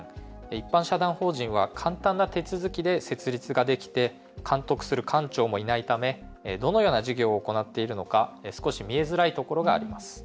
一般社団法人は簡単な手続きで設立ができて監督する官庁もいないためどのような事業を行っているのか少し見えづらいところがあります。